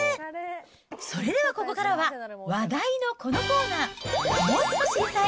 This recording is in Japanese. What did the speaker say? それではここからは、話題のこのコーナー、もっと知りたい！